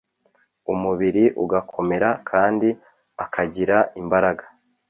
umubiri ugakomera kandi akagira imbaraga.